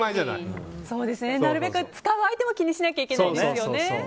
なるべく使う相手も気にしなきゃいけないですよね。